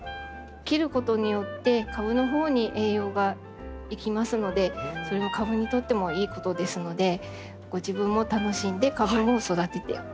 切ることによって株のほうに栄養がいきますのでそれは株にとってもいいことですのでご自分も楽しんで株を育ててほしいと思っています。